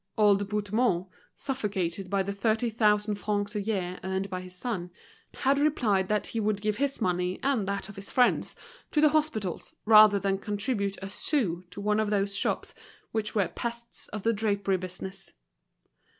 Old Bouthemont, suffocated by the thirty thousand francs a year earned by his son, had replied that he would give his money and that of his friends to the hospitals rather than contribute a sou to one of those shops which were the pests of the drapery business.